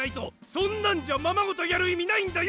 そんなんじゃままごとやるいみないんだよ！